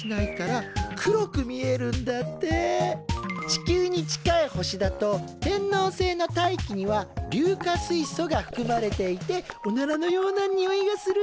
地球に近い星だと天王星の大気には硫化水素がふくまれていておならのようなニオイがするんだって。